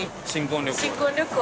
新婚旅行。